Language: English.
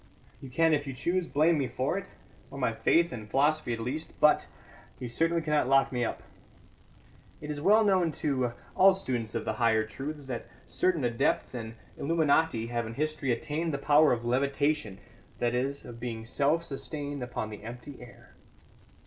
You can, if you choose, blame me for it, or my faith and philosophy at least; but you certainly cannot lock me up. It is well known to all students of the higher truths that certain adepts and illuminati have in history attained the power of levitation that is, of being self sustained upon the empty air.